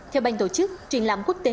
theo bành tổ chức triển lãm quốc tế